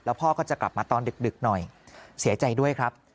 พ่อก็จะกลับมาตอนดึกหน่อยเสียใจด้วยครับ